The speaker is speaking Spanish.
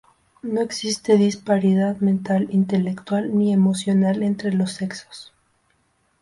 No existe disparidad mental intelectual ni emocional entre los sexos.